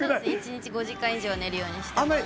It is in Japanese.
１日５時間以上、寝るようにしています。